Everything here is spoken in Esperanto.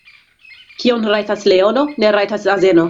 Kion rajtas leono, ne rajtas azeno.